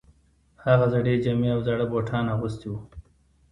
هغه زړې جامې او زاړه بوټان اغوستي وو